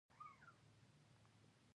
دوی له غلامۍ څخه ازادي واخیسته.